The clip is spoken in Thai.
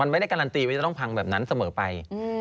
ไม่ได้การันตีว่าจะต้องพังแบบนั้นเสมอไป